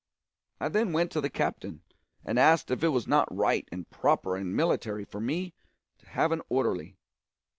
I then went to the captain, and asked if it was not right and proper and military for me to have an orderly.